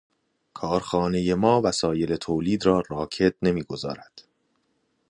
کارخانهٔ ما وسایل تولید را راکد نمیگذارد.